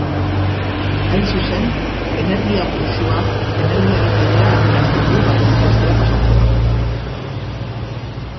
Hain zuzen, energia-fluxuak energiaren bidea adierazten du batetik bestera pasatzean.